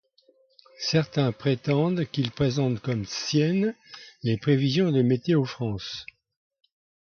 Certains prétendent qu'il présente comme siennes les prévisions de Météo-France.